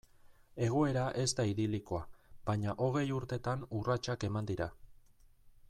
Egoera ez da idilikoa, baina hogei urtetan urratsak eman dira.